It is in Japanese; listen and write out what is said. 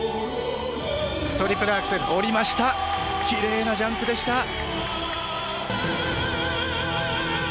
きれいなジャンプでした。